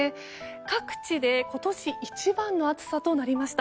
各地で今年一番の暑さとなりました。